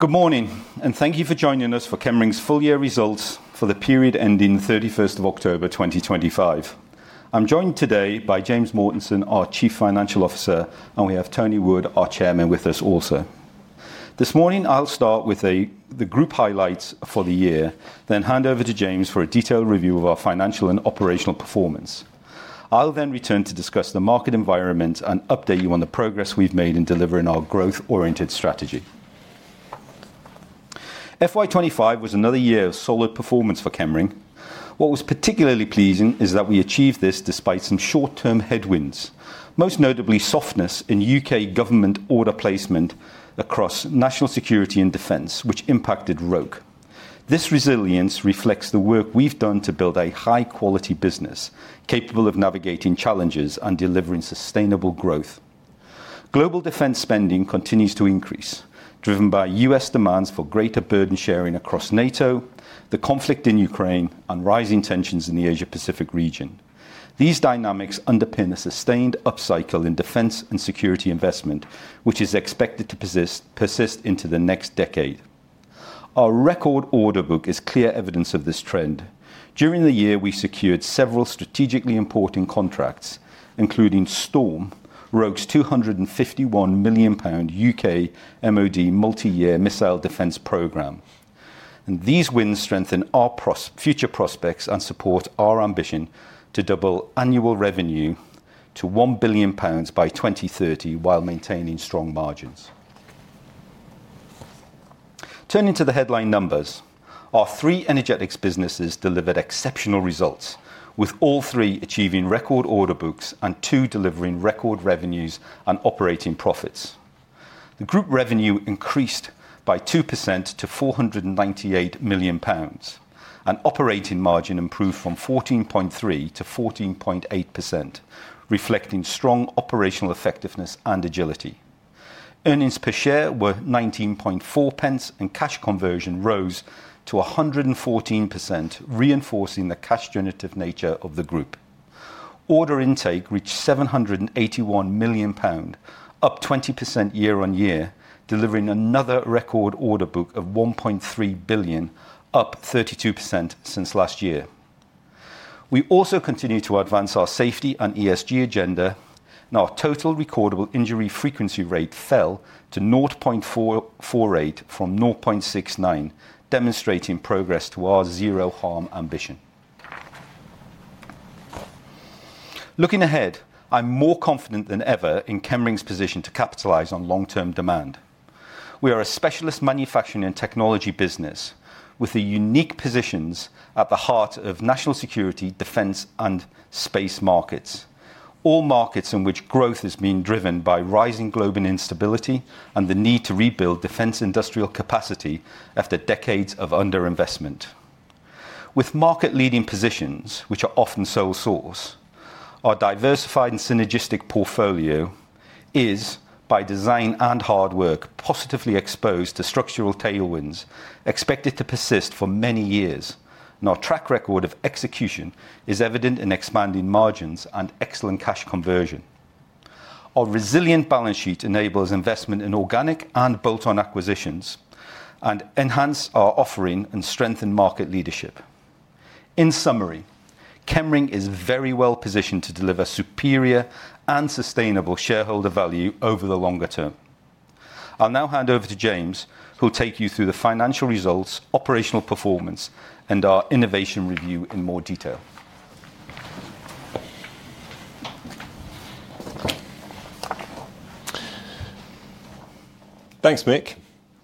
Good morning, and thank you for joining us for Chemring's full year results for the period ending 31 October 2025. I'm joined today by James Mortensen, our Chief Financial Officer, and we have Tony Wood, our Chairman, with us also. This morning, I'll start with the group highlights for the year, then hand over to James for a detailed review of our financial and operational performance. I'll then return to discuss the market environment and update you on the progress we've made in delivering our growth-oriented strategy. FY 2025 was another year of solid performance for Chemring. What was particularly pleasing is that we achieved this despite some short-term headwinds, most notably softness in U.K. government order placement across national security and defense, which impacted Roke. This resilience reflects the work we've done to build a high-quality business capable of navigating challenges and delivering sustainable growth. Global defense spending continues to increase, driven by U.S. demands for greater burden sharing across NATO, the conflict in Ukraine, and rising tensions in the Asia-Pacific region. These dynamics underpin a sustained upcycle in defense and security investment, which is expected to persist into the next decade. Our record order book is clear evidence of this trend. During the year, we secured several strategically important contracts, including STORM, Roke's 251 million pound U.K. MoD multi-year missile defense program. These wins strengthen our future prospects and support our ambition to double annual revenue to 1 billion pounds by 2030 while maintaining strong margins. Turning to the headline numbers, our three energetics businesses delivered exceptional results, with all three achieving record order books and two delivering record revenues and operating profits. The group revenue increased by 2% to 498 million pounds, and operating margin improved from 14.3% to 14.8%, reflecting strong operational effectiveness and agility. Earnings per share were 19.4 pence, and cash conversion rose to 114%, reinforcing the cash-generative nature of the group. Order intake reached 781 million pound, up 20% year on year, delivering another record order book of 1.3 billion, up 32% since last year. We also continue to advance our safety and ESG agenda, and our total recordable injury frequency rate fell to 0.448 from 0.69, demonstrating progress to our zero harm ambition. Looking ahead, I'm more confident than ever in Chemring's position to capitalize on long-term demand. We are a specialist manufacturing and technology business with unique positions at the heart of national security, defense, and space markets, all markets in which growth is being driven by rising global instability and the need to rebuild defense industrial capacity after decades of underinvestment. With market-leading positions, which are often sole source, our diversified and synergistic portfolio is, by design and hard work, positively exposed to structural tailwinds expected to persist for many years, and our track record of execution is evident in expanding margins and excellent cash conversion. Our resilient balance sheet enables investment in organic and bolt-on acquisitions and enhances our offering and strengthens market leadership. In summary, Chemring is very well positioned to deliver superior and sustainable shareholder value over the longer term. I'll now hand over to James, who will take you through the financial results, operational performance, and our innovation review in more detail. Thanks, Mick.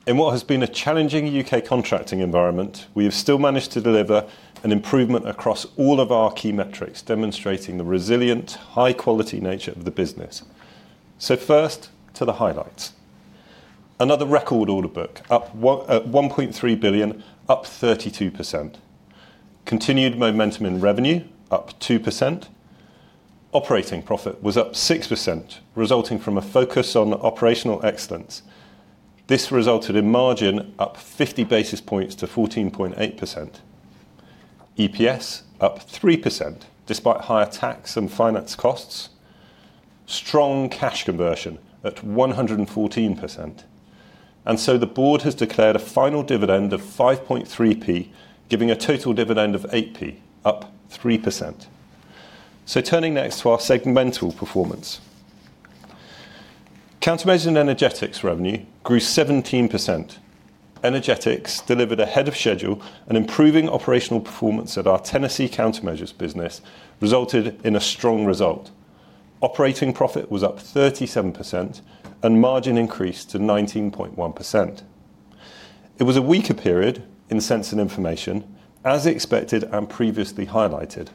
In what has been a challenging UK contracting environment, we have still managed to deliver an improvement across all of our key metrics, demonstrating the resilient, high-quality nature of the business. So first, to the highlights. Another record order book, up at 1.3 billion, up 32%. Continued momentum in revenue, up 2%. Operating profit was up 6%, resulting from a focus on operational excellence. This resulted in margin up 50 basis points to 14.8%. EPS up 3%, despite higher tax and finance costs. Strong cash conversion at 114%. And so the board has declared a final dividend of 0.053, giving a total dividend of 0.08, up 3%. So turning next to our segmental performance. Countermeasures and energetics revenue grew 17%. Energetics delivered ahead of schedule, and improving operational performance at our Tennessee countermeasures business resulted in a strong result. Operating profit was up 37%, and margin increased to 19.1%. It was a weaker period in sensors and information, as expected and previously highlighted.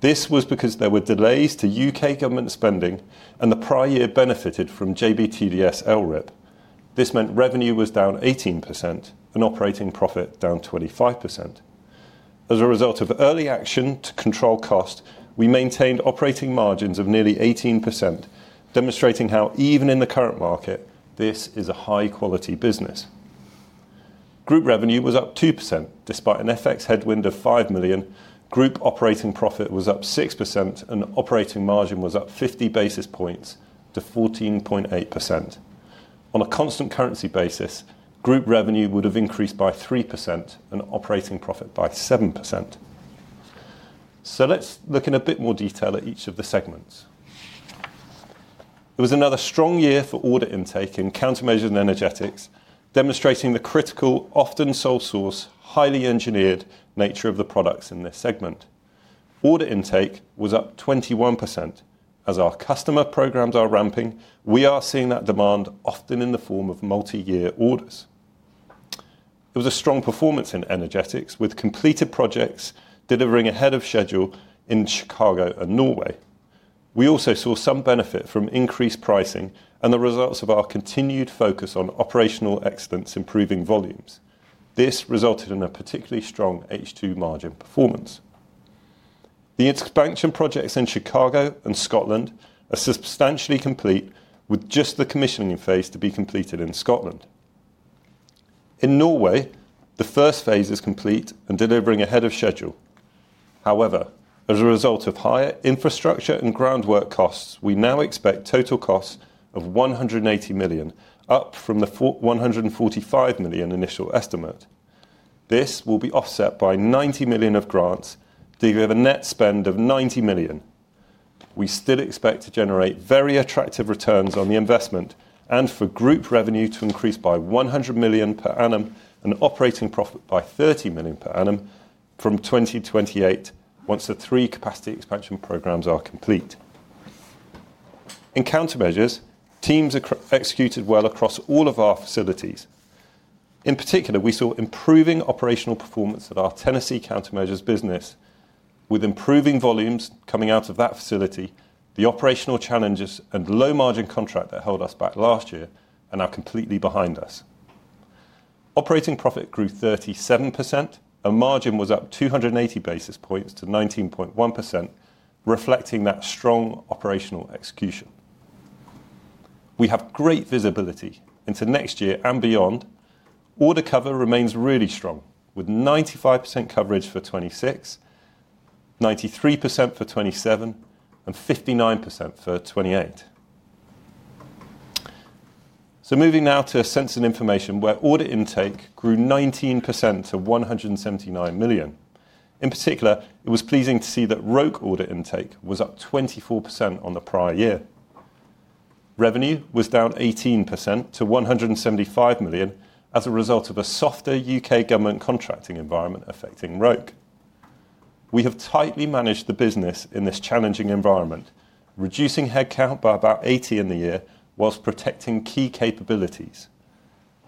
This was because there were delays to UK government spending, and the prior year benefited from JBTDS LRIP. This meant revenue was down 18% and operating profit down 25%. As a result of early action to control cost, we maintained operating margins of nearly 18%, demonstrating how even in the current market, this is a high-quality business. Group revenue was up 2% despite an FX headwind of 5 million. Group operating profit was up 6%, and operating margin was up 50 basis points to 14.8%. On a constant currency basis, group revenue would have increased by 3% and operating profit by 7%. So let's look in a bit more detail at each of the segments. It was another strong year for order intake in countermeasures and energetics, demonstrating the critical, often sole source, highly engineered nature of the products in this segment. Order intake was up 21%. As our customer programs are ramping, we are seeing that demand often in the form of multi-year orders. It was a strong performance in energetics, with completed projects delivering ahead of schedule in Chicago and Norway. We also saw some benefit from increased pricing and the results of our continued focus on operational excellence improving volumes. This resulted in a particularly strong H2 margin performance. The expansion projects in Chicago and Scotland are substantially complete, with just the commissioning phase to be completed in Scotland. In Norway, the first phase is complete and delivering ahead of schedule. However, as a result of higher infrastructure and groundwork costs, we now expect total costs of £180 million, up from the £145 million initial estimate. This will be offset by £90 million of grants, delivering a net spend of £90 million. We still expect to generate very attractive returns on the investment and for group revenue to increase by £100 million per annum and operating profit by £30 million per annum from 2028, once the three capacity expansion programs are complete. In countermeasures, teams executed well across all of our facilities. In particular, we saw improving operational performance at our Tennessee countermeasures business, with improving volumes coming out of that facility, the operational challenges, and low margin contract that held us back last year and now completely behind us. Operating profit grew 37%, and margin was up 280 basis points to 19.1%, reflecting that strong operational execution. We have great visibility into next year and beyond. Order cover remains really strong, with 95% coverage for 2026, 93% for 2027, and 59% for 2028. So moving now to Sensors and Information where order intake grew 19% to 179 million. In particular, it was pleasing to see that Roke order intake was up 24% on the prior year. Revenue was down 18% to 175 million as a result of a softer U.K. government contracting environment affecting Roke. We have tightly managed the business in this challenging environment, reducing headcount by about 80 in the year whilst protecting key capabilities.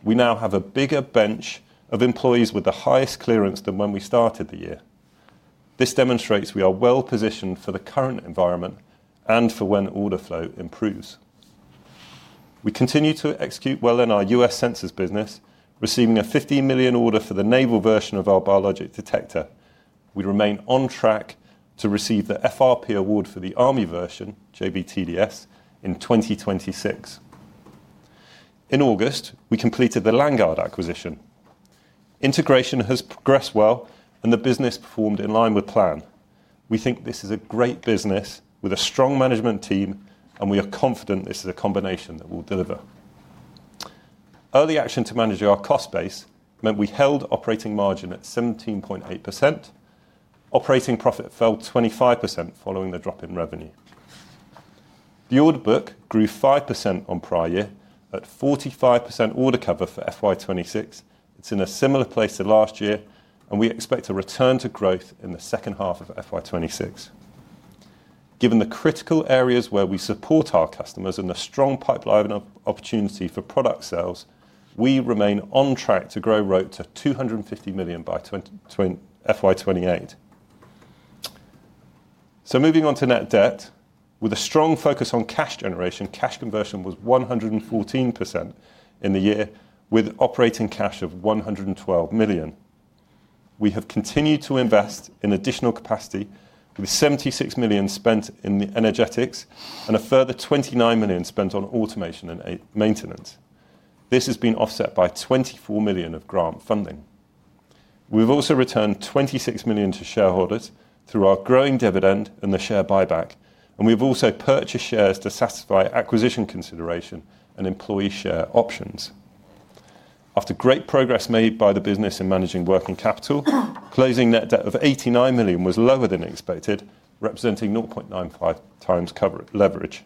We now have a bigger bench of employees with the highest clearance than when we started the year. This demonstrates we are well positioned for the current environment and for when order flow improves. We continue to execute well in our US sensors business, receiving a 15 million order for the naval version of our biological detector. We remain on track to receive the FRP award for the army version, JBTDS, in 2026. In August, we completed the Landguard acquisition. Integration has progressed well, and the business performed in line with plan. We think this is a great business with a strong management team, and we are confident this is a combination that will deliver. Early action to manage our cost base meant we held operating margin at 17.8%. Operating profit fell 25% following the drop in revenue. The order book grew 5% on prior year at 45% order cover for FY 2026. It's in a similar place to last year, and we expect a return to growth in the second half of FY 2026. Given the critical areas where we support our customers and the strong pipeline of opportunity for product sales, we remain on track to grow Roke to £250 million by FY 2028. So moving on to net debt, with a strong focus on cash generation, cash conversion was 114% in the year, with operating cash of £112 million. We have continued to invest in additional capacity, with £76 million spent in the energetics and a further £29 million spent on automation and maintenance. This has been offset by £24 million of grant funding. We've also returned £26 million to shareholders through our growing dividend and the share buyback, and we've also purchased shares to satisfy acquisition consideration and employee share options. After great progress made by the business in managing working capital, closing net debt of £89 million was lower than expected, representing 0.95 times covered leverage.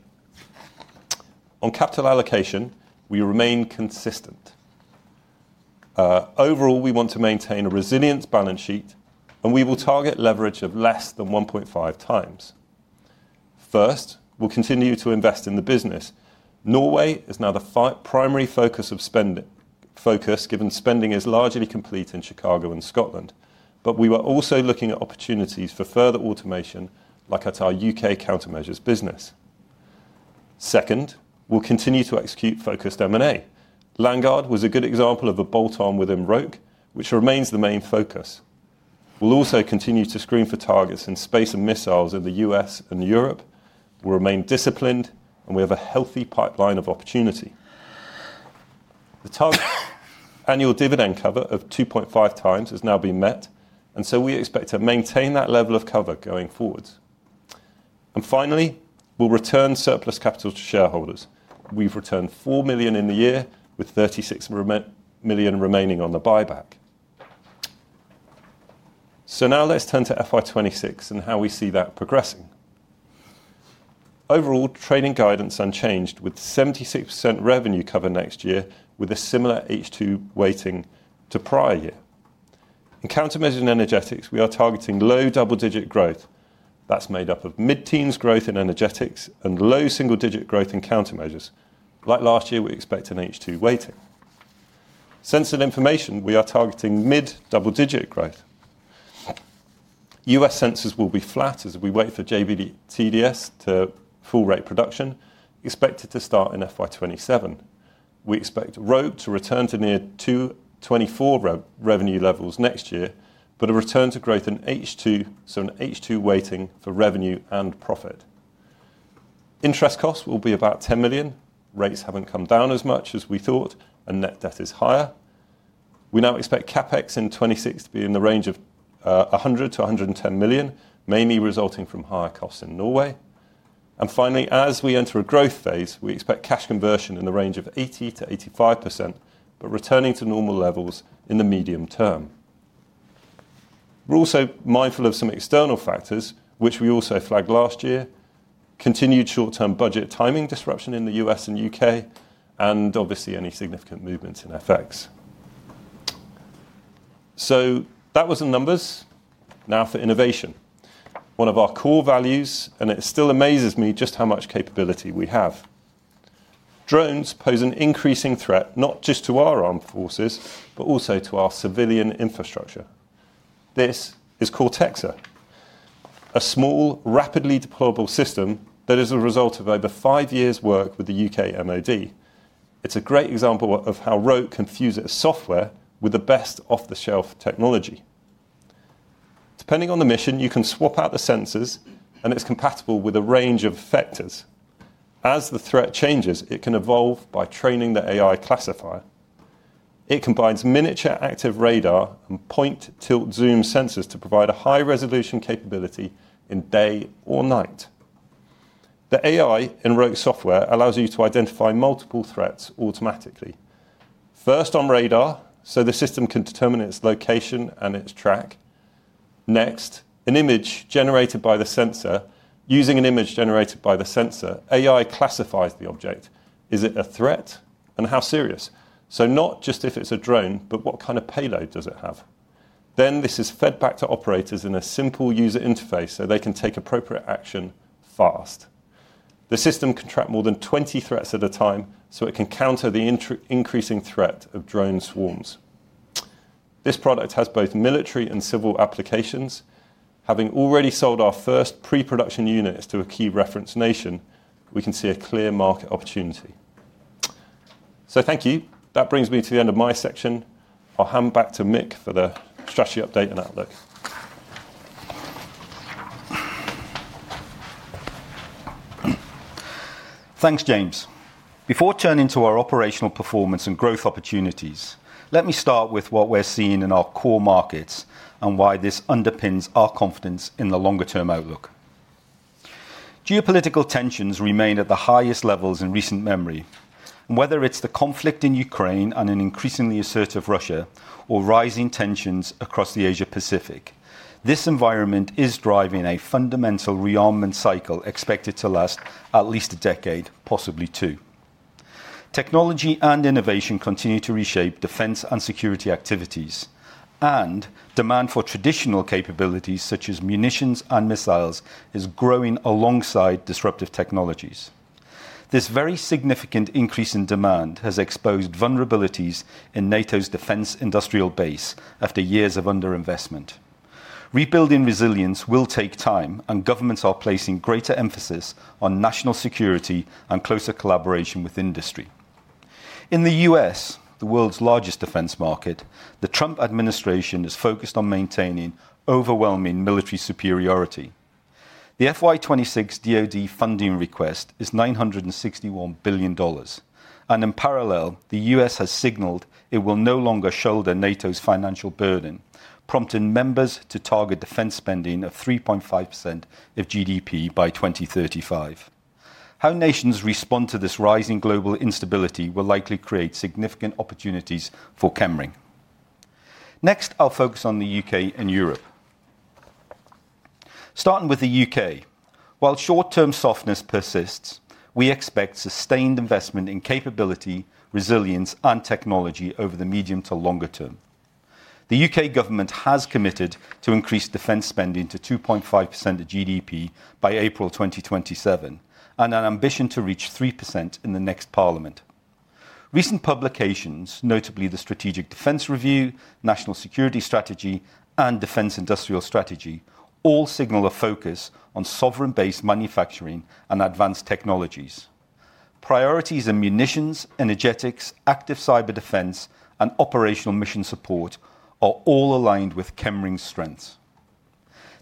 On capital allocation, we remain consistent. Overall, we want to maintain a resilient balance sheet, and we will target leverage of less than 1.5 times. First, we'll continue to invest in the business. Norway is now the primary focus of spending, given spending is largely complete in Chicago and Scotland, but we were also looking at opportunities for further automation, like at our U.K. countermeasures business. Second, we'll continue to execute focused M&A. Landguard was a good example of a bolt-on within Roke, which remains the main focus. We'll also continue to screen for targets in space and missiles in the U.S. and Europe. We'll remain disciplined, and we have a healthy pipeline of opportunity. The target annual dividend cover of 2.5 times has now been met, and so we expect to maintain that level of cover going forwards. And finally, we'll return surplus capital to shareholders. We've returned 4 million in the year, with 36 million remaining on the buyback. So now let's turn to FY 2026 and how we see that progressing. Overall, trading guidance unchanged, with 76% revenue cover next year, with a similar H2 weighting to prior year. In countermeasures and energetics, we are targeting low double-digit growth. That's made up of mid-teens growth in energetics and low single-digit growth in countermeasures. Like last year, we expect an H2 weighting. Sensors and information, we are targeting mid-double-digit growth. US sensors will be flat as we wait for JBTDS to full rate production, expected to start in FY 2027. We expect Roke to return to near 224 revenue levels next year, but a return to growth in H2, so an H2 weighting for revenue and profit. Interest costs will be about 10 million. Rates haven't come down as much as we thought, and net debt is higher. We now expect CapEx in 2026 to be in the range of 100 million-110 million, mainly resulting from higher costs in Norway. And finally, as we enter a growth phase, we expect cash conversion in the range of 80%-85%, but returning to normal levels in the medium term. We're also mindful of some external factors, which we also flagged last year: continued short-term budget timing disruption in the U.S. and U.K., and obviously any significant movements in FX. So that was the numbers. Now for innovation. One of our core values, and it still amazes me just how much capability we have. Drones pose an increasing threat, not just to our armed forces, but also to our civilian infrastructure. This is Cortexaa, a small, rapidly deployable system that is the result of over five years' work with the UK MoD. It's a great example of how Roke can fuse its software with the best off-the-shelf technology. Depending on the mission, you can swap out the sensors, and it's compatible with a range of factors. As the threat changes, it can evolve by training the AI classifier. It combines miniature active radar and pan-tilt-zoom sensors to provide a high-resolution capability in day or night. The AI in Roke software allows you to identify multiple threats automatically. First, on radar, so the system can determine its location and its track. Next, an image generated by the sensor. Using an image generated by the sensor, AI classifies the object. Is it a threat and how serious? So not just if it's a drone, but what kind of payload does it have? Then this is fed back to operators in a simple user interface so they can take appropriate action fast. The system can track more than 20 threats at a time, so it can counter the increasing threat of drone swarms. This product has both military and civil applications. Having already sold our first pre-production units to a key reference nation, we can see a clear market opportunity. So thank you. That brings me to the end of my section. I'll hand back to Mick for the strategy update and outlook. Thanks, James. Before turning to our operational performance and growth opportunities, let me start with what we're seeing in our core markets and why this underpins our confidence in the longer-term outlook. Geopolitical tensions remain at the highest levels in recent memory. Whether it's the conflict in Ukraine and an increasingly assertive Russia or rising tensions across the Asia-Pacific, this environment is driving a fundamental rearmament cycle expected to last at least a decade, possibly two. Technology and innovation continue to reshape defense and security activities, and demand for traditional capabilities such as munitions and missiles is growing alongside disruptive technologies. This very significant increase in demand has exposed vulnerabilities in NATO's defense industrial base after years of underinvestment. Rebuilding resilience will take time, and governments are placing greater emphasis on national security and closer collaboration with industry. In the U.S., the world's largest defense market, the Trump administration is focused on maintaining overwhelming military superiority. The FY 2026 DOD funding request is $961 billion, and in parallel, the U.S. has signaled it will no longer shoulder NATO's financial burden, prompting members to target defense spending of 3.5% of GDP by 2035. How nations respond to this rising global instability will likely create significant opportunities for Chemring. Next, I'll focus on the UK and Europe. Starting with the UK, while short-term softness persists, we expect sustained investment in capability, resilience, and technology over the medium to longer term. The UK government has committed to increase defense spending to 2.5% of GDP by April 2027 and an ambition to reach 3% in the next parliament. Recent publications, notably the Strategic Defense Review, National Security Strategy, and Defense Industrial Strategy, all signal a focus on sovereign-based manufacturing and advanced technologies. Priorities in munitions, energetics, active cyber defense, and operational mission support are all aligned with Chemring's strengths.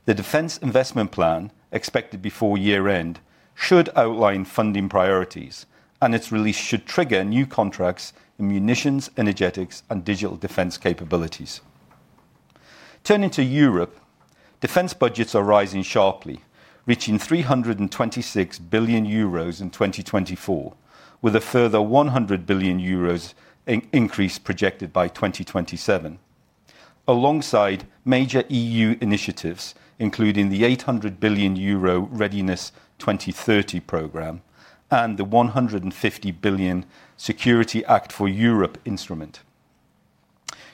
The defense investment plan, expected before year-end, should outline funding priorities, and its release should trigger new contracts in munitions, energetics, and digital defense capabilities. Turning to Europe, defense budgets are rising sharply, reaching €326 billion in 2024, with a further €100 billion increase projected by 2027, alongside major EU initiatives, including the €800 billion Readiness 2030 program and the €150 billion Security Act for Europe instrument.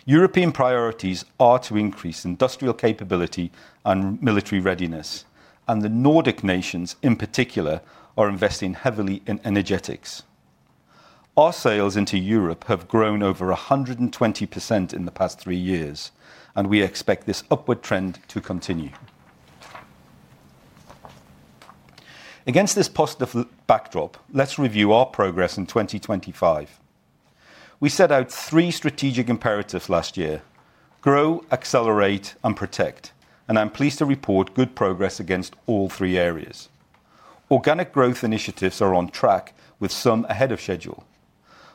European priorities are to increase industrial capability and military readiness, and the Nordic nations, in particular, are investing heavily in energetics. Our sales into Europe have grown over 120% in the past three years, and we expect this upward trend to continue. Against this positive backdrop, let's review our progress in 2025. We set out three strategic imperatives last year: grow, accelerate, and protect, and I'm pleased to report good progress against all three areas. Organic growth initiatives are on track, with some ahead of schedule.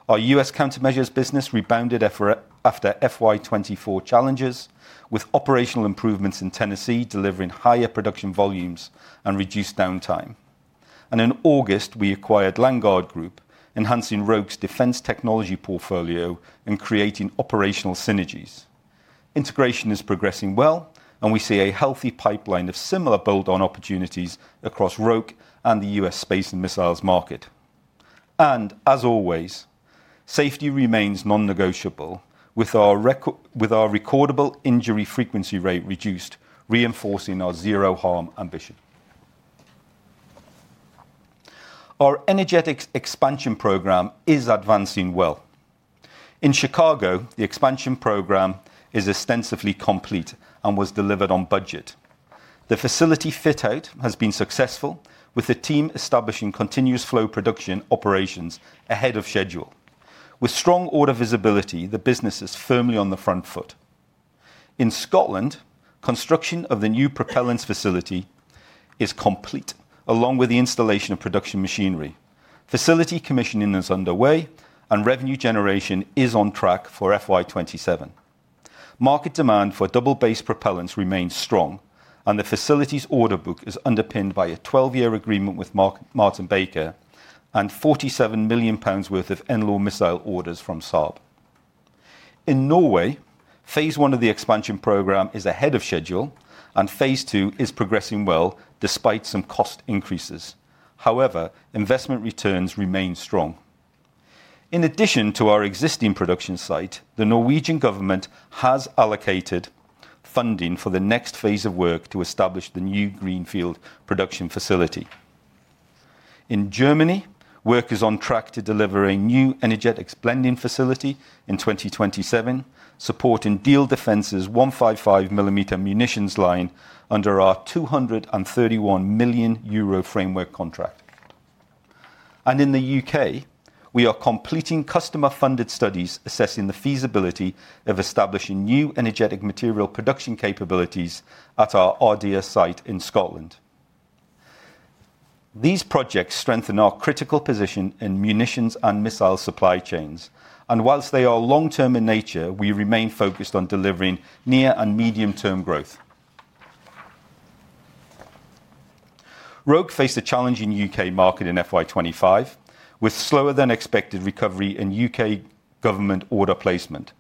Our U.S. countermeasures business rebounded after FY 2024 challenges, with operational improvements in Tennessee delivering higher production volumes and reduced downtime. In August, we acquired Landguard Group, enhancing Roke's defense technology portfolio and creating operational synergies. Integration is progressing well, and we see a healthy pipeline of similar bolt-on opportunities across Roke and the US space and missiles market. As always, safety remains non-negotiable, with our recordable injury frequency rate reduced, reinforcing our zero-harm ambition. Our energetics expansion program is advancing well. In Chicago, the expansion program is ostensibly complete and was delivered on budget. The facility fit-out has been successful, with the team establishing continuous flow production operations ahead of schedule. With strong order visibility, the business is firmly on the front foot. In Scotland, construction of the new propellants facility is complete, along with the installation of production machinery. Facility commissioning is underway, and revenue generation is on track for FY 2027. Market demand for double-base propellants remains strong, and the facility's order book is underpinned by a 12-year agreement with Martin-Baker and 47 million pounds worth of NLAW missile orders from Saab. In Norway, phase I of the expansion program is ahead of schedule, and phase II is progressing well despite some cost increases. However, investment returns remain strong. In addition to our existing production site, the Norwegian government has allocated funding for the next phase of work to establish the new greenfield production facility. In Germany, work is on track to deliver a new energetics blending facility in 2027, supporting Diehl Defence's 155 mm munitions line under our 231 million euro framework contract, and in the UK, we are completing customer-funded studies assessing the feasibility of establishing new energetic material production capabilities at our Ardeer site in Scotland. These projects strengthen our critical position in munitions and missile supply chains, and while they are long-term in nature, we remain focused on delivering near and medium-term growth. Roke faced a challenging U.K. market in FY 2025, with slower-than-expected recovery in U.K. government order placement,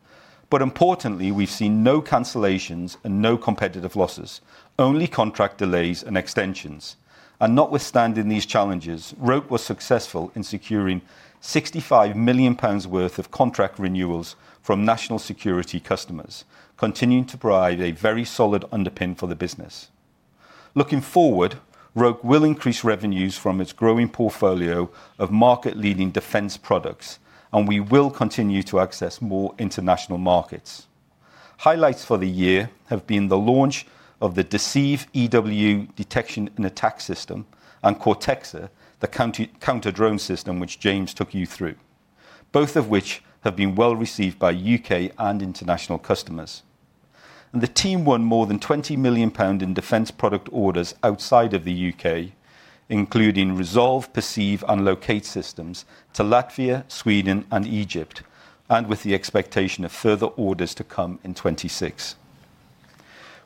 but importantly, we've seen no cancellations and no competitive losses, only contract delays and extensions, and notwithstanding these challenges, Roke was successful in securing 65 million pounds worth of contract renewals from national security customers, continuing to provide a very solid underpin for the business. Looking forward, Roke will increase revenues from its growing portfolio of market-leading defense products, and we will continue to access more international markets. Highlights for the year have been the launch of the Deceive EW detection and attack system and Cortexaa, the counter-drone system which James took you through, both of which have been well received by U.K. and international customers. The team won more than 20 million pound in defense product orders outside of the UK, including Resolve, Perceive, and Locate systems to Latvia, Sweden, and Egypt, and with the expectation of further orders to come in 2026.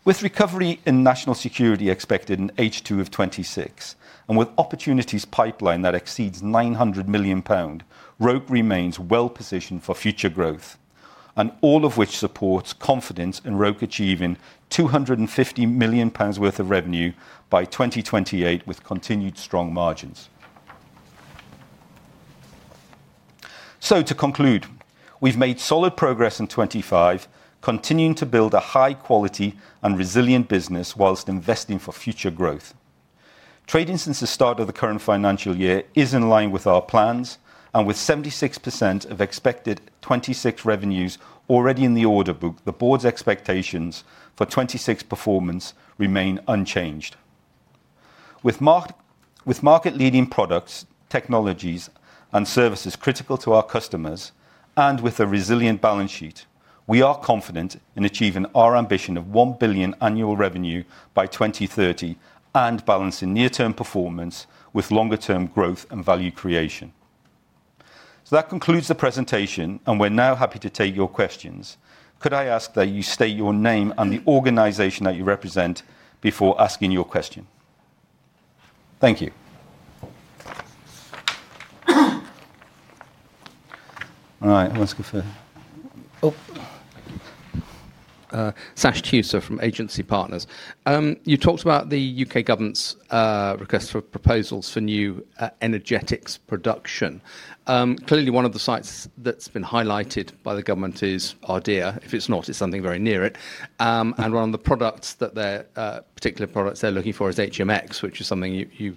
With recovery in national security expected in H2 of 2026, and with opportunities pipeline that exceeds 900 million pound, Roke remains well positioned for future growth, and all of which supports confidence in Roke achieving 250 million pounds worth of revenue by 2028 with continued strong margins. To conclude, we've made solid progress in 2025, continuing to build a high-quality and resilient business while investing for future growth. Trading since the start of the current financial year is in line with our plans, and with 76% of expected 2026 revenues already in the order book, the board's expectations for 2026 performance remain unchanged. With market-leading products, technologies, and services critical to our customers, and with a resilient balance sheet, we are confident in achieving our ambition of 1 billion annual revenue by 2030 and balancing near-term performance with longer-term growth and value creation. So that concludes the presentation, and we're now happy to take your questions. Could I ask that you state your name and the organization that you represent before asking your question? Thank you. All right, I'll ask you first. Oh. Sash Tusa from Agency Partners. You talked about the U.K. government's request for proposals for new energetics production. Clearly, one of the sites that's been highlighted by the government is Ardeer. If it's not, it's something very near it. And one of the products that they're looking for is HMX, which is something you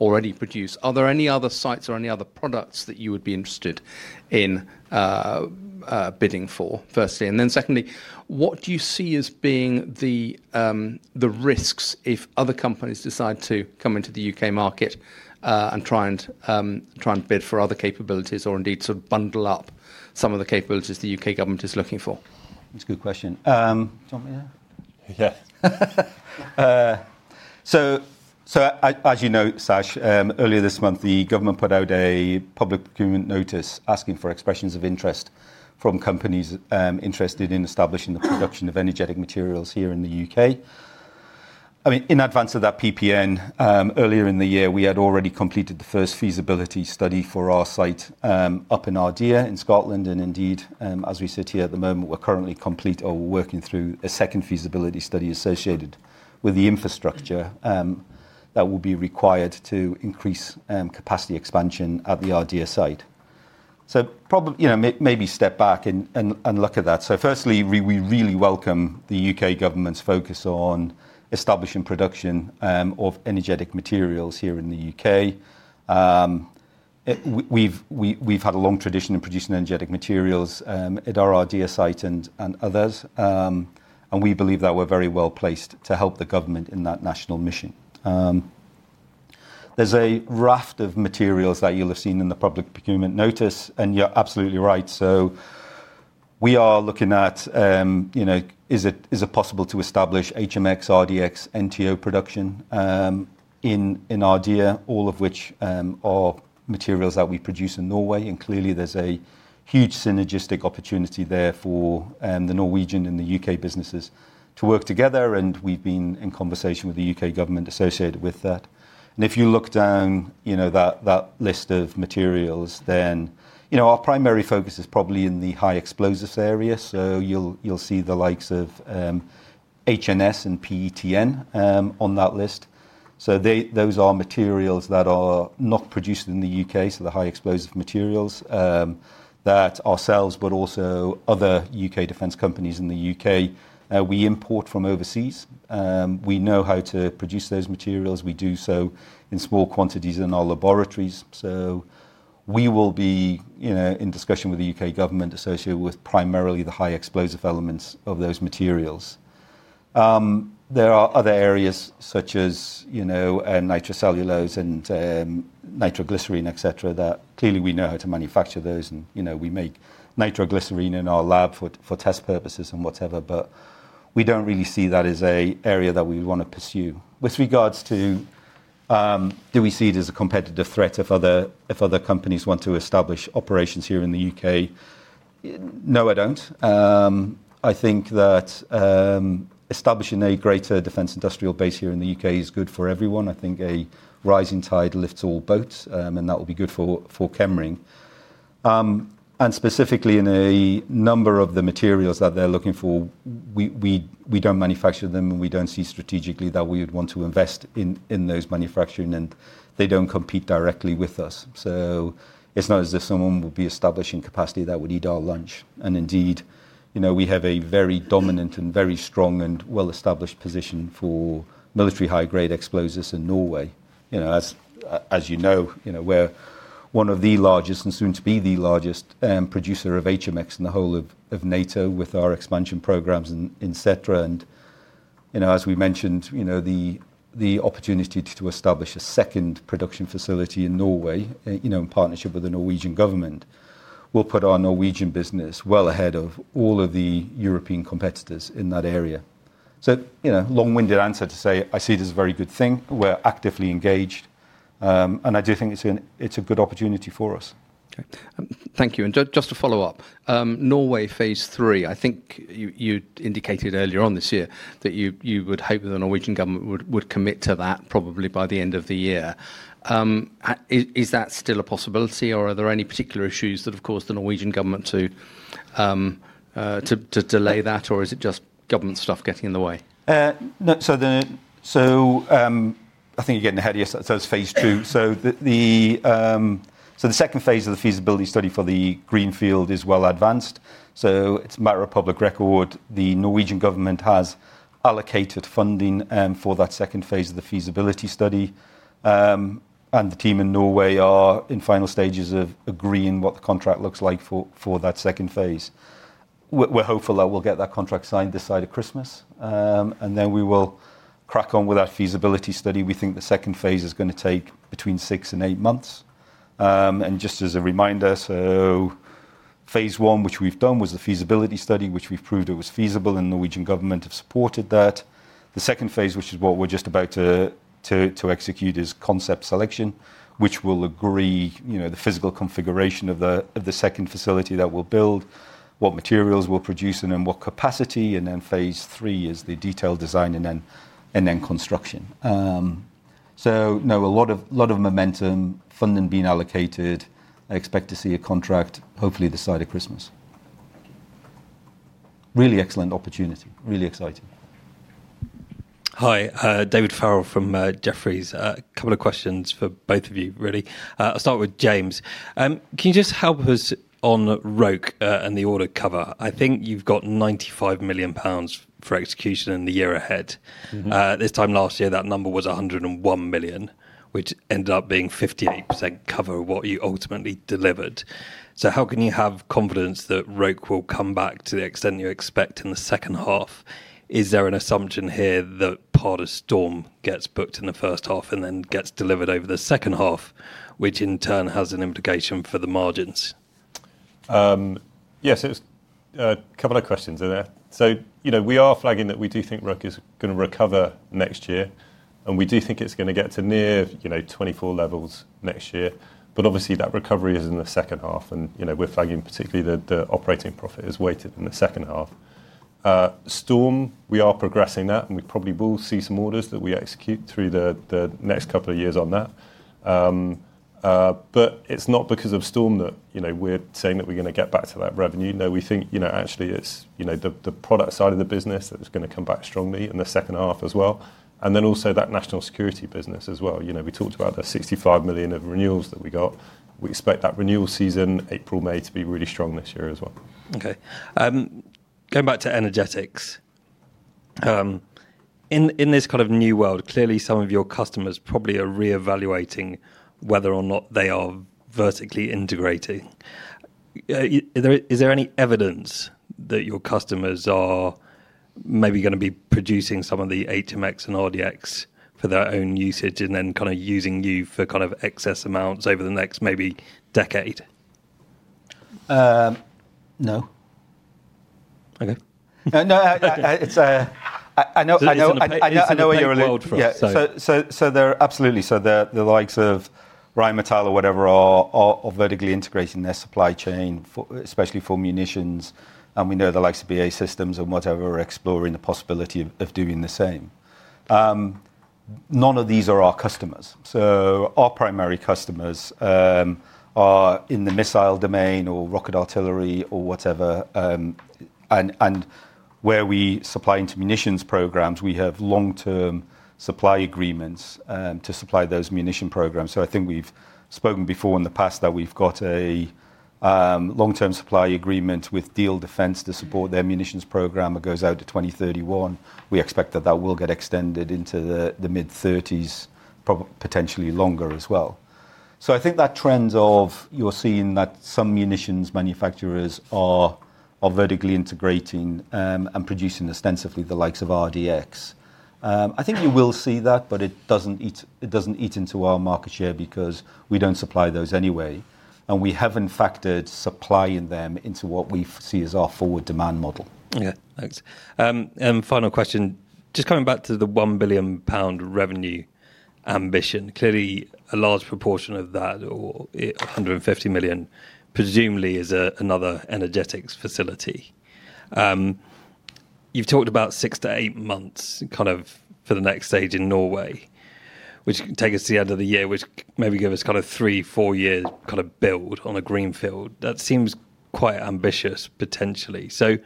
already produce. Are there any other sites or any other products that you would be interested in bidding for, firstly? And then secondly, what do you see as being the risks if other companies decide to come into the U.K. market and try and bid for other capabilities or indeed sort of bundle up some of the capabilities the U.K. government is looking for? That's a good question. Yeah. So as you know, Sash, earlier this month, the government put out a public procurement notice asking for expressions of interest from companies interested in establishing the production of energetic materials here in the U.K. I mean, in advance of that PPN, earlier in the year, we had already completed the first feasibility study for our site up in Ardeer in Scotland. Indeed, as we sit here at the moment, we're currently complete or working through a second feasibility study associated with the infrastructure that will be required to increase capacity expansion at the Ardeer site. So maybe step back and look at that. So firstly, we really welcome the U.K. government's focus on establishing production of energetic materials here in the U.K. We've had a long tradition of producing energetic materials at our Ardeer site and others, and we believe that we're very well placed to help the government in that national mission. There's a raft of materials that you'll have seen in the public procurement notice, and you're absolutely right. So we are looking at, is it possible to establish HMX, RDX, NTO production in Ardeer, all of which are materials that we produce in Norway? Clearly, there's a huge synergistic opportunity there for the Norwegian and the UK businesses to work together, and we've been in conversation with the UK government associated with that. If you look down that list of materials, then our primary focus is probably in the high explosives area. You'll see the likes of HNS and PETN on that list. Those are materials that are not produced in the UK, so the high explosive materials that ourselves, but also other UK defense companies in the UK, we import from overseas. We know how to produce those materials. We do so in small quantities in our laboratories. We will be in discussion with the UK government associated with primarily the high explosive elements of those materials. There are other areas such as nitrocellulose and nitroglycerin, etc., that clearly we know how to manufacture those. And we make nitroglycerin in our lab for test purposes and whatever, but we don't really see that as an area that we want to pursue. With regards to, do we see it as a competitive threat if other companies want to establish operations here in the UK? No, I don't. I think that establishing a greater defense industrial base here in the UK is good for everyone. I think a rising tide lifts all boats, and that will be good for Chemring. And specifically in a number of the materials that they're looking for, we don't manufacture them, and we don't see strategically that we would want to invest in those manufacturing, and they don't compete directly with us. So it's not as if someone would be establishing capacity that would eat our lunch. Indeed, we have a very dominant and very strong and well-established position for military high-grade explosives in Norway. As you know, we're one of the largest and soon to be the largest producer of HMX in the whole of NATO with our expansion programs, etc. As we mentioned, the opportunity to establish a second production facility in Norway in partnership with the Norwegian government will put our Norwegian business well ahead of all of the European competitors in that area. Long-winded answer to say, I see it as a very good thing. We're actively engaged, and I do think it's a good opportunity for us. Thank you. Just to follow up, Norway phase III, I think you indicated earlier on this year that you would hope that the Norwegian government would commit to that probably by the end of the year. Is that still a possibility, or are there any particular issues that have caused the Norwegian government to delay that, or is it just government stuff getting in the way? So I think you're getting ahead of yourself. So it's phase II. So the second phase of the feasibility study for the Greenfield is well advanced. So it's a matter of public record. The Norwegian government has allocated funding for that second phase of the feasibility study, and the team in Norway are in final stages of agreeing what the contract looks like for that second phase. We're hopeful that we'll get that contract signed this side of Christmas, and then we will crack on with that feasibility study. We think the second phase is going to take between six and eight months. Just as a reminder, so phase I, which we've done, was the feasibility study, which we've proved it was feasible, and the Norwegian government have supported that. The second phase, which is what we're just about to execute, is concept selection, which will agree the physical configuration of the second facility that we'll build, what materials we'll produce, and then what capacity. And then phase III is the detailed design and then construction. So no, a lot of momentum, funding being allocated. I expect to see a contract hopefully this side of Christmas. Really excellent opportunity. Really exciting. Hi, David Farrell from Jefferies. A couple of questions for both of you, really. I'll start with James. Can you just help us on Roke and the order cover? I think you've got 95 million pounds for execution in the year ahead. This time last year, that number was £101 million, which ended up being 58% cover of what you ultimately delivered. So how can you have confidence that Roke will come back to the extent you expect in the second half? Is there an assumption here that part of STORM gets booked in the first half and then gets delivered over the second half, which in turn has an implication for the margins? Yes, it's a couple of questions in there. So we are flagging that we do think Roke is going to recover next year, and we do think it's going to get to near 24 levels next year. But obviously, that recovery is in the second half, and we're flagging particularly that the operating profit is weighted in the second half. STORM, we are progressing that, and we probably will see some orders that we execute through the next couple of years on that. But it's not because of STORM that we're saying that we're going to get back to that revenue. No, we think actually it's the product side of the business that is going to come back strongly in the second half as well. And then also that national security business as well. We talked about the £65 million of renewals that we got. We expect that renewal season, April, May, to be really strong this year as well. Okay. Going back to energetics. In this kind of new world, clearly some of your customers probably are re-evaluating whether or not they are vertically integrating. Is there any evidence that your customers are maybe going to be producing some of the HMX and RDX for their own usage and then kind of using you for kind of excess amounts over the next maybe decade? No. Okay. No, it's, I know where you're coming from. So absolutely. So the likes of Rheinmetall or whatever are vertically integrating their supply chain, especially for munitions. And we know the likes of BAE Systems and whatever are exploring the possibility of doing the same. None of these are our customers. So our primary customers are in the missile domain or rocket artillery or whatever. And where we supply into munitions programs, we have long-term supply agreements to supply those munitions programs. So I think we've spoken before in the past that we've got a long-term supply agreement with Diehl Defence to support their munitions program. It goes out to 2031. We expect that that will get extended into the mid-30s, potentially longer as well. So I think that trend of you're seeing that some munitions manufacturers are vertically integrating and producing ostensibly the likes of RDX. I think you will see that, but it doesn't eat into our market share because we don't supply those anyway. And we haven't factored supplying them into what we see as our forward demand model. Yeah. Thanks. And final question. Just coming back to the 1 billion pound revenue ambition, clearly a large proportion of that, or 150 million, presumably is another energetics facility. You've talked about six to eight months kind of for the next stage in Norway, which takes us to the end of the year, which maybe give us kind of three, four years kind of build on a greenfield. That seems quite ambitious, potentially. So,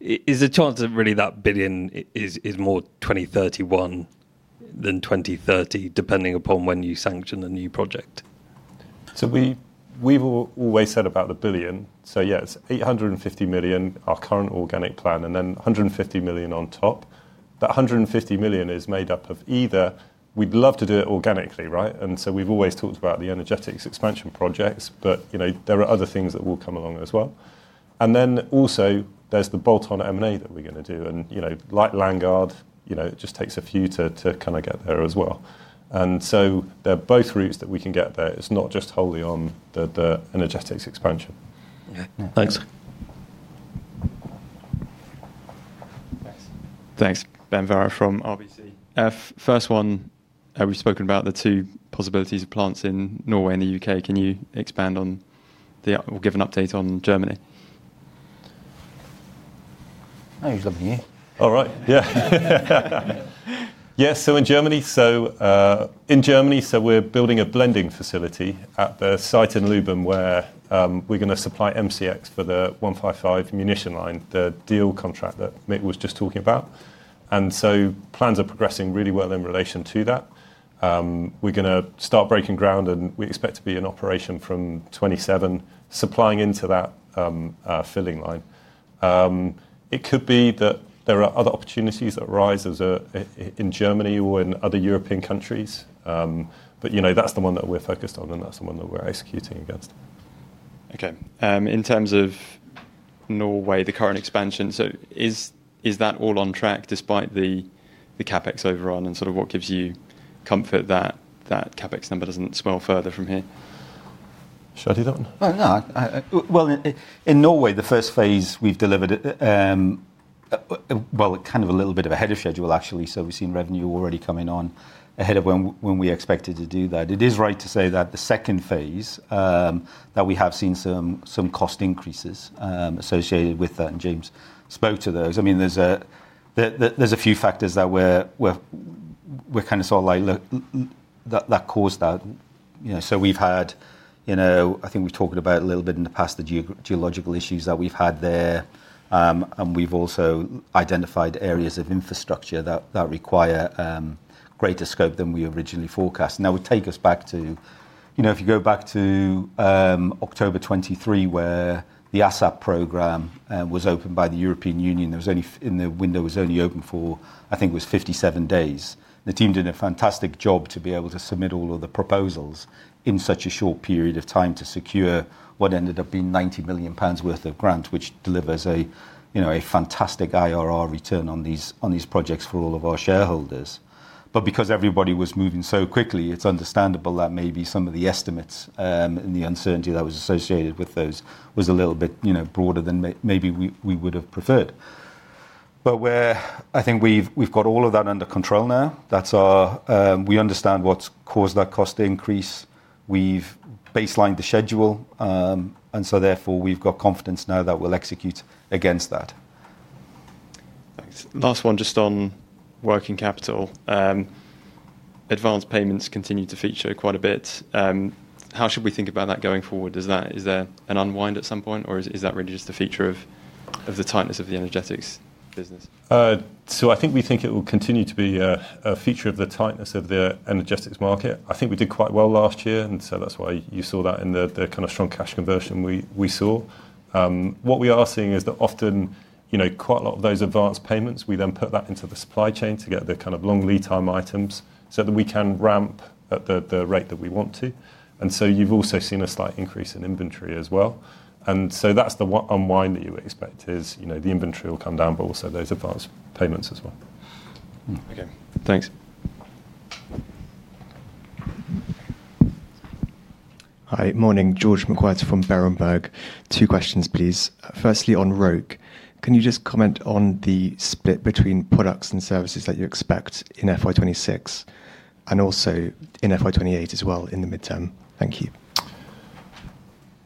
is the chance that really that billion is more 2031 than 2030, depending upon when you sanction the new project? So we've always said about the billion. So yes, 850 million, our current organic plan, and then 150 million on top. That 150 million is made up of either we'd love to do it organically, right? And so we've always talked about the energetics expansion projects, but there are other things that will come along as well. And then also there's the bolt-on M&A that we're going to do. And like Landguard, it just takes a few to kind of get there as well. And so there are both routes that we can get there. It's not just wholly on the energetics expansion. Thanks. Thanks. Ben Varrow from RBC. First one, we've spoken about the two possibilities of plants in Norway and the UK. Can you expand on or give an update on Germany? He's loving you. All right. Yeah. Yeah. So in Germany, so we're building a blending facility at the site in Lübben, where we're going to supply MCX for the 155mm munition line, the deal contract that Mick was just talking about. And so plans are progressing really well in relation to that. We're going to start breaking ground, and we expect to be in operation from 2027, supplying into that filling line. It could be that there are other opportunities that arise in Germany or in other European countries, but that's the one that we're focused on, and that's the one that we're executing against. Okay. In terms of Norway, the current expansion, so is that all on track despite the CapEx overrun and sort of what gives you comfort that that CapEx number doesn't swell further from here? Should I do that one? Well, in Norway, the first phase we've delivered, well, kind of a little bit ahead of schedule, actually. So we've seen revenue already coming on ahead of when we expected to do that. It is right to say that the second phase, that we have seen some cost increases associated with that, and James spoke to those. I mean, there's a few factors that we're kind of sort of like that caused that. So we've had, I think we've talked about a little bit in the past, the geological issues that we've had there. And we've also identified areas of infrastructure that require greater scope than we originally forecast. Now, it would take us back to, if you go back to October 23, where the ASAP program was opened by the European Union, the window was only open for, I think it was 57 days. The team did a fantastic job to be able to submit all of the proposals in such a short period of time to secure what ended up being 90 million pounds worth of grant, which delivers a fantastic IRR return on these projects for all of our shareholders. But because everybody was moving so quickly, it's understandable that maybe some of the estimates and the uncertainty that was associated with those was a little bit broader than maybe we would have preferred. But I think we've got all of that under control now. We understand what's caused that cost increase. We've baselined the schedule, and so therefore we've got confidence now that we'll execute against that. Thanks. Last one, just on working capital. Advanced payments continue to feature quite a bit. How should we think about that going forward? Is there an unwind at some point, or is that really just a feature of the tightness of the energetics business? So I think we think it will continue to be a feature of the tightness of the energetics market. I think we did quite well last year, and so that's why you saw that in the kind of strong cash conversion we saw. What we are seeing is that often quite a lot of those advanced payments, we then put that into the supply chain to get the kind of long lead time items so that we can ramp at the rate that we want to. And so you've also seen a slight increase in inventory as well. And so that's the unwind that you would expect is the inventory will come down, but also those advanced payments as well. Okay. Thanks. Hi. Morning. George McWhirter from Berenberg. Two questions, please. Firstly, on Roke, can you just comment on the split between products and services that you expect in FY 2026 and also in FY 2028 as well in the midterm? Thank you.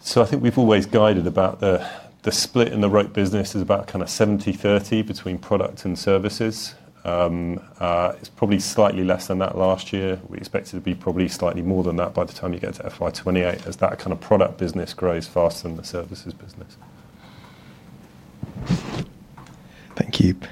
So I think we've always guided about the split in the Roke business is about kind of 70/30 between product and services. It's probably slightly less than that last year. We expect it to be probably slightly more than that by the time you get to FY 2028 as that kind of product business grows faster than the services business. Thank you.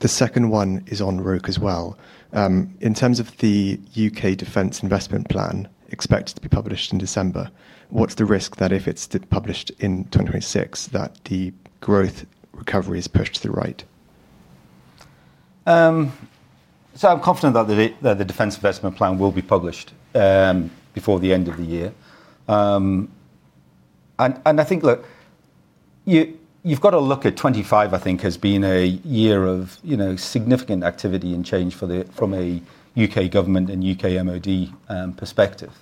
The second one is on Roke as well. In terms of the U.K. Defense Investment Plan expected to be published in December, what's the risk that if it's published in 2026 that the growth recovery is pushed to the right? So I'm confident that the Defense Investment Plan will be published before the end of the year, and I think, look, you've got to look at 2025, I think, has been a year of significant activity and change from a U.K. government and U.K. MoD perspective.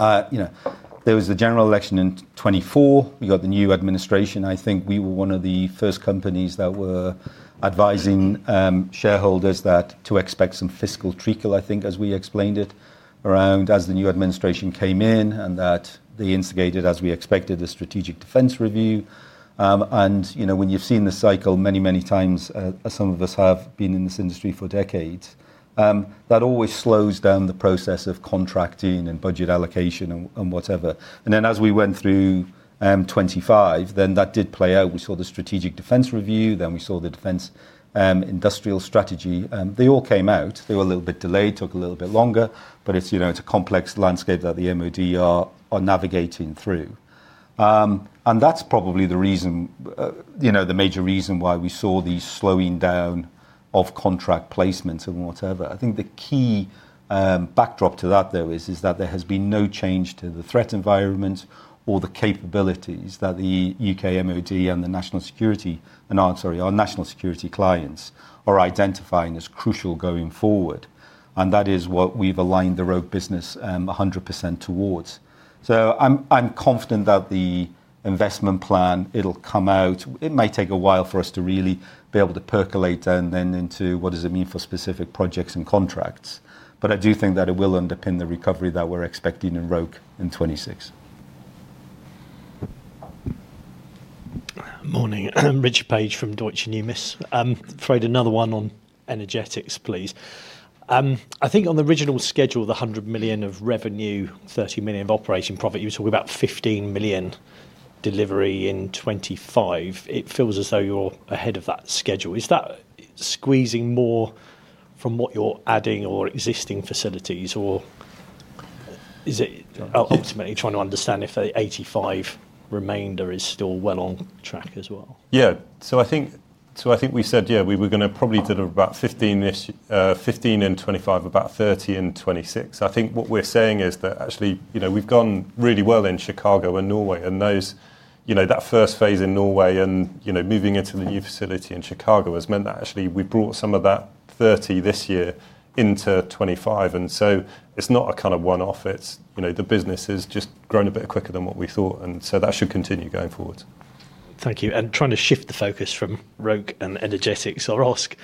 There was the general election in 2024. We got the new administration. I think we were one of the first companies that were advising shareholders that to expect some fiscal treacle, I think, as we explained it around as the new administration came in and that they instigated, as we expected, the Strategic Defense Review. And when you've seen the cycle many, many times, some of us have been in this industry for decades, that always slows down the process of contracting and budget allocation and whatever. And then as we went through 25, then that did play out. We saw the strategic defense review, then we saw the defense industrial strategy. They all came out. They were a little bit delayed, took a little bit longer, but it's a complex landscape that the MoD are navigating through. And that's probably the reason, the major reason why we saw the slowing down of contract placements and whatever. I think the key backdrop to that, though, is that there has been no change to the threat environment or the capabilities that the UK MoD and the national security and, sorry, our national security clients are identifying as crucial going forward. That is what we've aligned the Roke business 100% towards. So I'm confident that the investment plan, it'll come out. It may take a while for us to really be able to percolate then into what does it mean for specific projects and contracts. But I do think that it will underpin the recovery that we're expecting in Roke in 2026. Morning. Richard Paige from Deutsche Numis. Fred, another one on energetics, please. I think on the original schedule, the 100 million of revenue, 30 million of operating profit, you were talking about 15 million delivery in 2025. It feels as though you're ahead of that schedule. Is that squeezing more from what you're adding or existing facilities, or is it ultimately trying to understand if the 85 remainder is still well on track as well? Yeah. So I think we said, yeah, we were going to probably deliver about 15 in 2025, about 30 in 2026. I think what we're saying is that actually we've gone really well in Chicago and Norway. And that first phase in Norway and moving into the new facility in Chicago has meant that actually we brought some of that 30 this year into 2025. And so it's not a kind of one-off. The business has just grown a bit quicker than what we thought. And so that should continue going forward. Thank you. And trying to shift the focus from Roke and energetics, I'll ask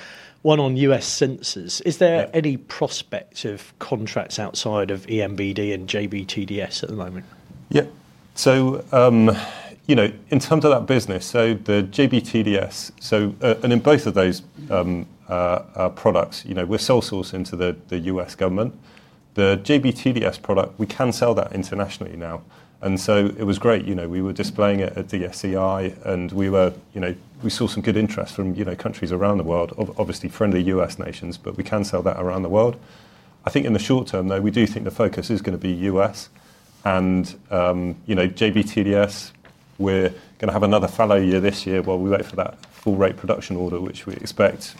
one on U.S. sensors. Is there any prospect of contracts outside of EMBD and JBTDS at the moment? Yep. So in terms of that business, so the JBTDS, and in both of those products, we're sole source into the U.S. government. The JBTDS product, we can sell that internationally now. And so it was great. We were displaying it at the DSEI, and we saw some good interest from countries around the world, obviously friendly U.S. nations, but we can sell that around the world. I think in the short term, though, we do think the focus is going to be U.S. And JBTDS, we're going to have another fallow year this year while we wait for that full rate production order, which we expect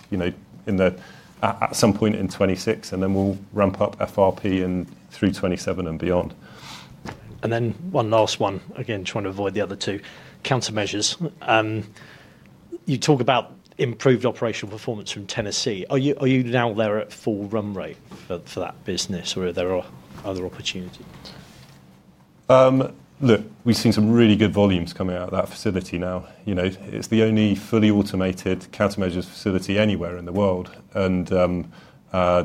at some point in 2026, and then we'll ramp up FRP through 2027 and beyond. And then one last one, again, trying to avoid the other two, countermeasures. You talk about improved operational performance from Tennessee. Are you now there at full run rate for that business, or are there other opportunities? Look, we've seen some really good volumes coming out of that facility now. It's the only fully automated countermeasures facility anywhere in the world. And so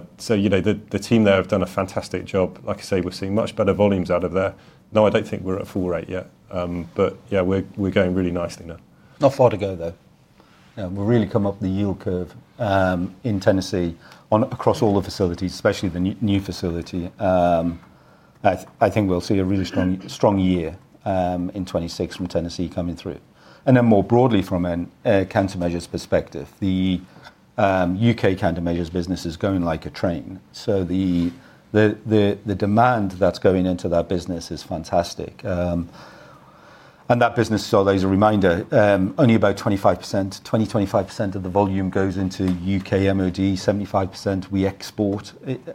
the team there have done a fantastic job. Like I say, we've seen much better volumes out of there. No, I don't think we're at full rate yet. But yeah, we're going really nicely now. Not far to go, though. We've really come up the yield curve in Tennessee across all the facilities, especially the new facility. I think we'll see a really strong year in 2026 from Tennessee coming through. And then more broadly from a countermeasures perspective, the UK countermeasures business is going like a train. So the demand that's going into that business is fantastic. And that business, as always, a reminder, only about 25%, 20-25% of the volume goes into UK MoD, 75% we export.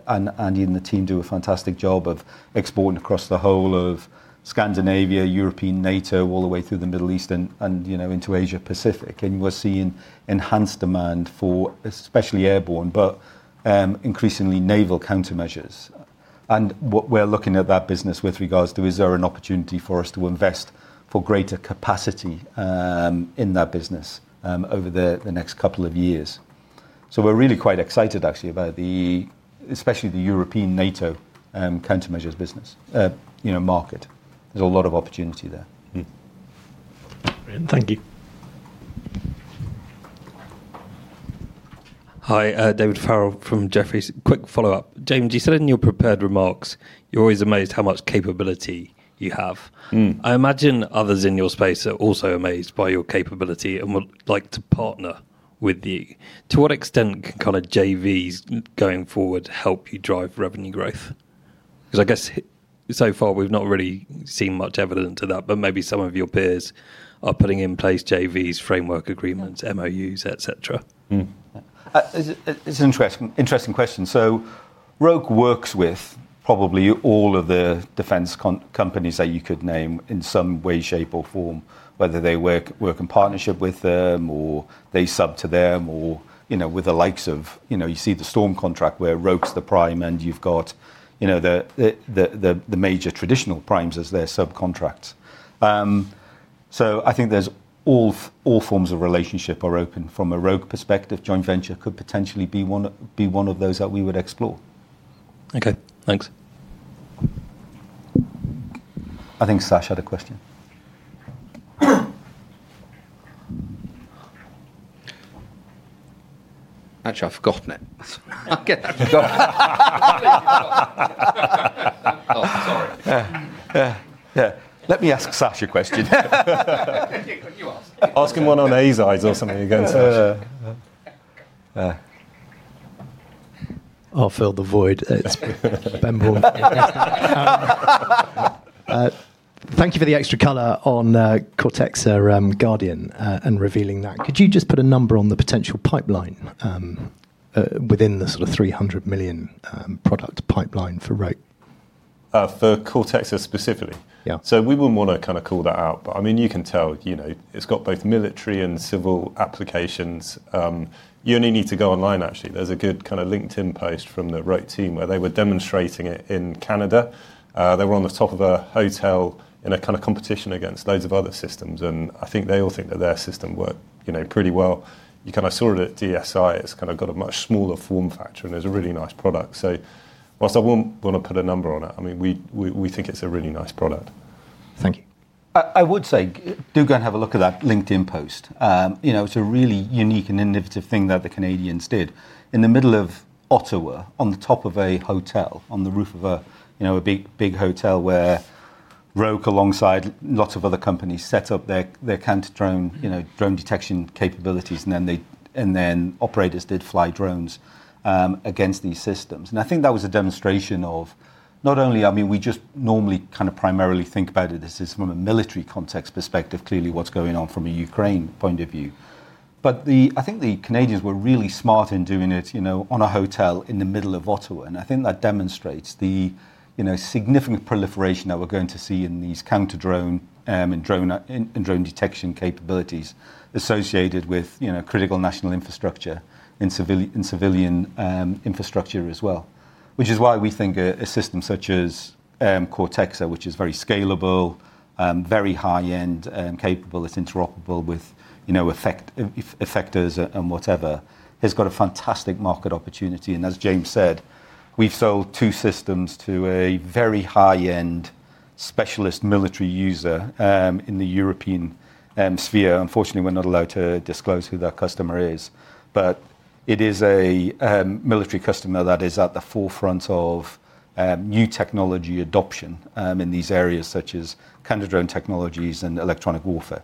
And the team do a fantastic job of exporting across the whole of Scandinavia, European NATO, all the way through the Middle East and into Asia Pacific. And we're seeing enhanced demand for especially airborne, but increasingly naval countermeasures. And we're looking at that business with regards to, is there an opportunity for us to invest for greater capacity in that business over the next couple of years? So we're really quite excited, actually, about especially the European NATO countermeasures business market. There's a lot of opportunity there. Thank you. Hi, David Farrell from Jefferies. Quick follow-up. James, you said in your prepared remarks, you're always amazed how much capability you have. I imagine others in your space are also amazed by your capability and would like to partner with you. To what extent can kind of JVs going forward help you drive revenue growth? Because I guess so far we've not really seen much evidence of that, but maybe some of your peers are putting in place JVs, framework agreements, MoUs, etc. It's an interesting question. So Roke works with probably all of the defense companies that you could name in some way, shape, or form, whether they work in partnership with them or they sub to them or with the likes of you see the STORM contract where Roke's the prime, and you've got the major traditional primes as their subcontracts. So I think all forms of relationship are open from a Roke perspective. Joint venture could potentially be one of those that we would explore. Okay. Thanks. I think Sash had a question. Actually, I've forgotten it. I'm sorry. Yeah. Let me ask Sash a question. Ask him one on ASICs or something again, Sash. I'll fill the void. Thank you for the extra color on Cortexaa or Guardian and revealing that. Could you just put a number on the potential pipeline within the sort of 300 million product pipeline for Roke? For Cortexaa specifically? Yeah. So we wouldn't want to kind of call that out, but I mean, you can tell it's got both military and civil applications. You only need to go online, actually. There's a good kind of LinkedIn post from the Roke team where they were demonstrating it in Canada. They were on the top of a hotel in a kind of competition against loads of other systems. And I think they all think that their system worked pretty well. You kind of saw it at DSI. It's kind of got a much smaller form factor, and it's a really nice product. So while I wouldn't want to put a number on it, I mean, we think it's a really nice product. Thank you. I would say, do go and have a look at that LinkedIn post. It's a really unique and innovative thing that the Canadians did. In the middle of Ottawa, on the top of a hotel, on the roof of a big hotel where Roke, alongside lots of other companies, set up their counter-drone detection capabilities, and then operators did fly drones against these systems, and I think that was a demonstration of not only, I mean, we just normally kind of primarily think about it as from a military context perspective, clearly what's going on from a Ukraine point of view, but I think the Canadians were really smart in doing it on a hotel in the middle of Ottawa. And I think that demonstrates the significant proliferation that we're going to see in these counter-drone and drone detection capabilities associated with critical national infrastructure and civilian infrastructure as well, which is why we think a system such as Cortexa, which is very scalable, very high-end, capable, it's interoperable with effectors and whatever, has got a fantastic market opportunity. And as James said, we've sold two systems to a very high-end specialist military user in the European sphere. Unfortunately, we're not allowed to disclose who that customer is. But it is a military customer that is at the forefront of new technology adoption in these areas such as counter-drone technologies and electronic warfare.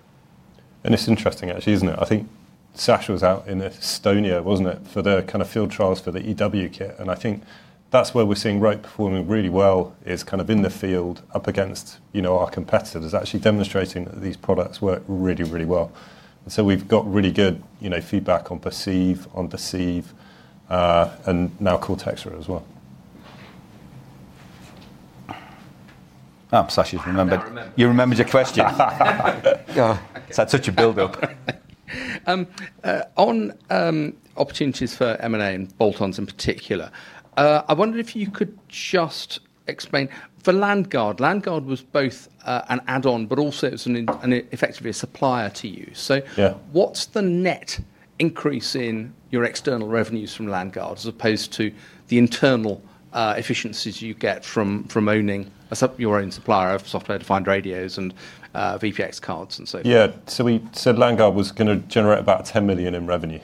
And it's interesting, actually, isn't it? I think Sash was out in Estonia, wasn't it, for the kind of field trials for the EW kit. I think that's where we're seeing Roke performing really well, kind of in the field up against our competitors, actually demonstrating that these products work really, really well. So we've got really good feedback on Perceive, on Perceive, and now Cortexa as well. Sash's remembered. You remembered your question. It's such a build-up. On opportunities for M&A and bolt-ons in particular, I wonder if you could just explain for Landguard. Landguard was both an add-on, but also it was effectively a supplier to you. So what's the net increase in your external revenues from Landguard as opposed to the internal efficiencies you get from owning your own supplier of software-defined radios and VPX cards and so forth? Yeah. So Landguard was going to generate about £10 million in revenue.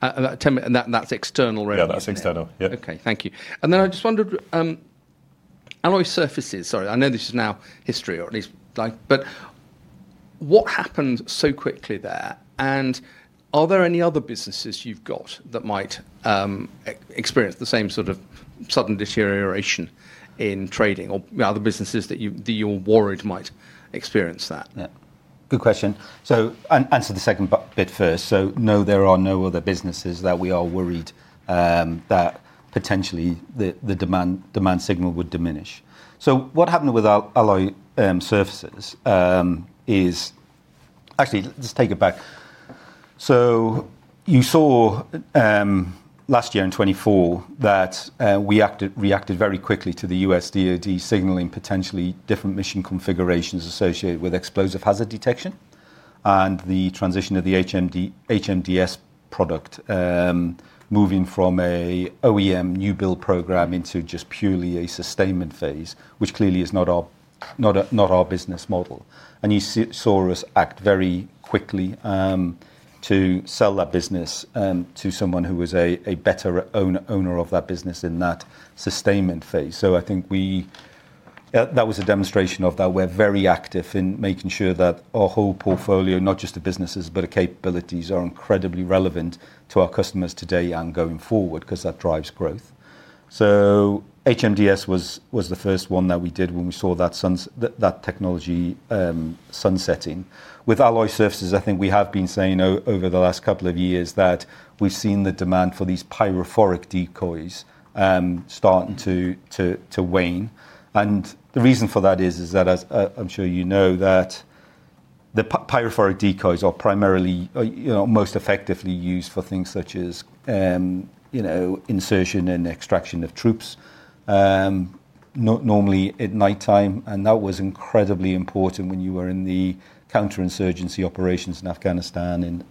And that's external revenue. Yeah, that's external. Yeah. Okay. Thank you. Then I just wondered, Alloy Surfaces, sorry, I know this is now history, or at least, but what happened so quickly there? And are there any other businesses you've got that might experience the same sort of sudden deterioration in trading or other businesses that you're worried might experience that? Good question. So answer the second bit first. So no, there are no other businesses that we are worried that potentially the demand signal would diminish. So what happened with Alloy Surfaces is actually, let's take it back. So you saw last year in 2024 that we reacted very quickly to the U.S. DoD signaling potentially different mission configurations associated with explosive hazard detection and the transition of the HMDS product moving from an OEM new build program into just purely a sustainment phase, which clearly is not our business model. And you saw us act very quickly to sell that business to someone who was a better owner of that business in that sustainment phase. So I think that was a demonstration of that we're very active in making sure that our whole portfolio, not just the businesses, but the capabilities are incredibly relevant to our customers today and going forward because that drives growth. So HMDS was the first one that we did when we saw that technology sunsetting. With Alloy Surfaces, I think we have been saying over the last couple of years that we've seen the demand for these pyrophoric decoys starting to wane. And the reason for that is that I'm sure you know that the pyrophoric decoys are primarily most effectively used for things such as insertion and extraction of troops normally at nighttime. And that was incredibly important when you were in the counter-insurgency operations in Afghanistan,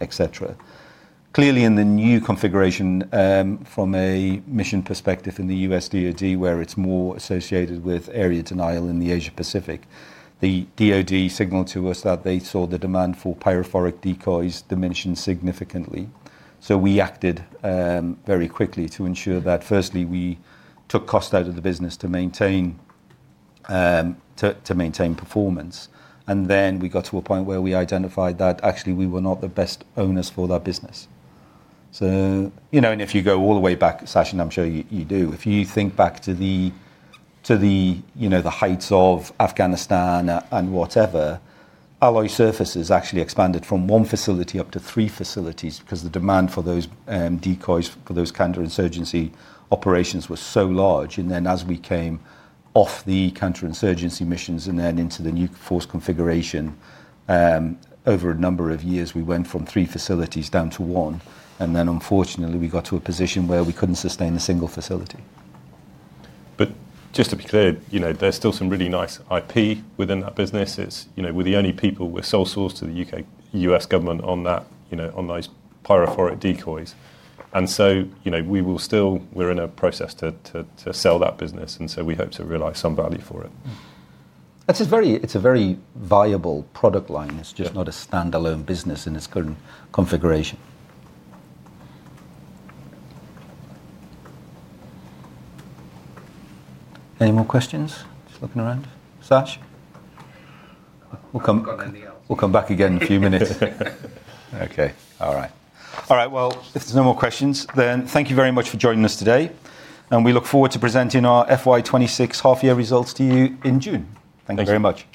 etc. Clearly, in the new configuration from a mission perspective in the U.S. DoD, where it's more associated with area denial in the Asia-Pacific, the DoD signaled to us that they saw the demand for pyrophoric decoys diminishing significantly. So we acted very quickly to ensure that, firstly, we took cost out of the business to maintain performance. And then we got to a point where we identified that actually we were not the best owners for that business. And if you go all the way back, Sash, and I'm sure you do, if you think back to the heights of Afghanistan and whatever, Alloy Surfaces actually expanded from one facility up to three facilities because the demand for those decoys, for those counter-insurgency operations was so large. And then as we came off the counter-insurgency missions and then into the new force configuration, over a number of years, we went from three facilities down to one. And then, unfortunately, we got to a position where we couldn't sustain a single facility. But just to be clear, there's still some really nice IP within that business. We're the only people with sole source to the U.S. government on those pyrophoric decoys. And so we will still, we're in a process to sell that business. And so we hope to realize some value for it. It's a very viable product line. It's just not a standalone business in its current configuration. Any more questions? Just looking around. Sash? We'll come back again in a few minutes. Okay. All right. All right. Well, if there's no more questions, then thank you very much for joining us today. We look forward to presenting our FY 2026 half-year results to you in June. Thank you very much.